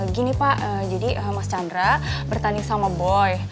gini pak jadi mas chandra bertanding sama boy